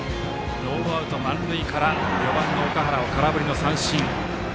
ノーアウト満塁から４番の岳原を空振りの三振。